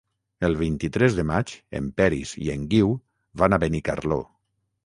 El vint-i-tres de maig en Peris i en Guiu van a Benicarló.